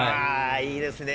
いいですね。